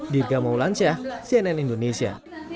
dirga maulansyah cnn indonesia